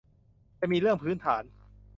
จะมีเรื่องพื้นฐาน